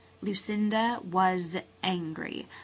Lucinda was angry.